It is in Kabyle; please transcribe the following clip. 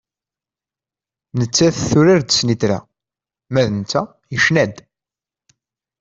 Nettat turar-d snitra, ma d netta yecna-d.